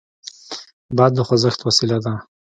باد د خوځښت وسیله ده.